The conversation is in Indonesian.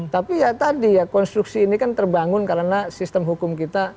tapi ya tadi ya konstruksi ini kan terbangun karena sistem hukum kita